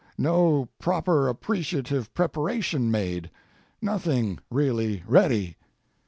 No proper appreciative preparation made; nothing really ready.